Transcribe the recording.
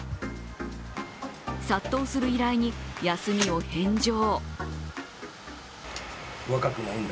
殺到する依頼に休みを返上。